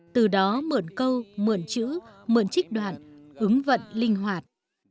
từ đó mượn câu mượn chữ mượn trích đoạn ứng vận linh hoạt